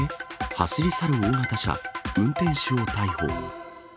走り去る大型車、運転手を逮捕。